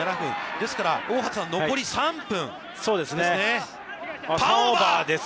ですから、大畑さん、残り３分。